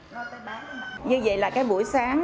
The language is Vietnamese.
như vậy là cái buổi sáng